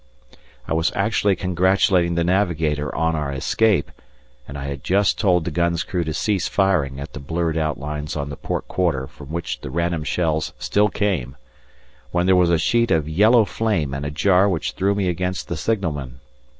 I was actually congratulating the Navigator on our escape, and I had just told the gun's crew to cease firing at the blurred outlines on the port quarter from which the random shells still came, when there was a sheet of yellow flame and a jar which threw me against the signalman.